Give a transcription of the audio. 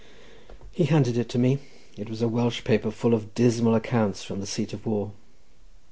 He handed it to me. It was a Welsh paper, and full of dismal accounts from the seat of war.